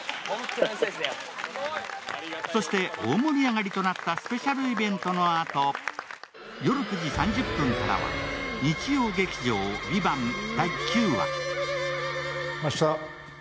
そして、大盛り上がりとなったスペシャルイベントのあと、夜９時３０分からは日曜劇場「ＶＩＶＡＮＴ」第９話。